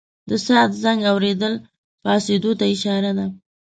د ساعت زنګ اورېدل پاڅېدو ته اشاره ده.